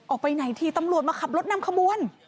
ออกไปไหนทีตำรวจมาขับรถนำขบวน